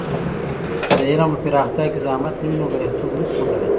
که د علم په پراختیا کې زحمت نه وي، نو بریالیتوب نسو موندلی.